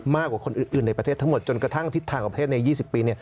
มากกว่าคนอื่นในประเทศทั้งหมดจนกระทั่งทิศทางกับประเทศใน๒๐ปี